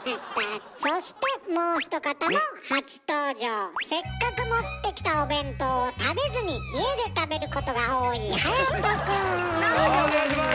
そしてもう一方もせっかく持ってきたお弁当を食べずに家で食べることが多いお願いします！